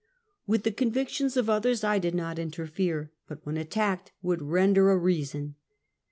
With the convictions of others I did not interfere, but when attacked would " render a rea son."